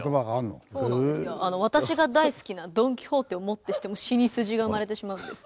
私が大好きなドン・キホーテをもってしてもシニスジが生まれてしまうんです。